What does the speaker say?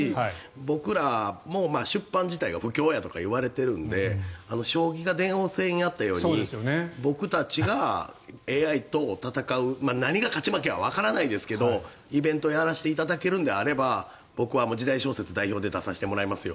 僕らも出版業界が不況やとか言われているので将棋が電王戦をやったように僕たちがＡＩと戦う何が勝ち負けかはわからないですがイベントをやらせてもらえるのであれば僕は時代小説代表で出させてもらいますよ。